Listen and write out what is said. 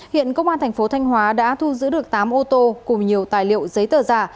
hiện công an thành phố thanh hóa đã thu giữ được tám ô tô cùng nhiều tài liệu giấy tờ giả